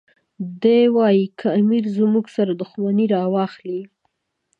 دی وایي که امیر زموږ سره دښمني راواخلي.